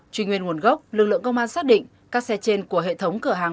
truy nguyên nguồn gốc lực lượng công an xác định các xe trên của hệ thống cửa hàng